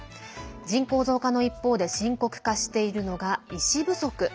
人口増加の一方で深刻化しているのが医師不足。